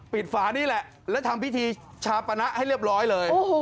ฝานี่แหละแล้วทำพิธีชาปณะให้เรียบร้อยเลย